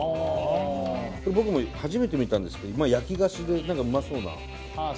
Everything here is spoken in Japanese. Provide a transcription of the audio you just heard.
僕も初めて見たんですけどまあ焼き菓子で何かうまそうなああ